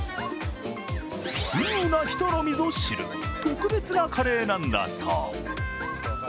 通な人のみぞ知る特別なカレーなんだそう。